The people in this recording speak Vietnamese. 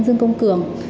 dương công cường